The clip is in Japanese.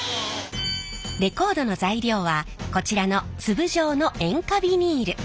レコードの材料はこちらの粒状の塩化ビニール。